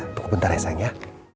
tunggu bentar ya sayang ya